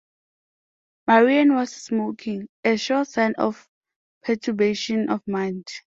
Marian was smoking — a sure sign of perturbation of mind.